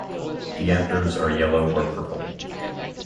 The anthers are yellow or purple.